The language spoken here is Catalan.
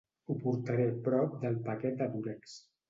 Ho portaré prop del paquet de Dúrex.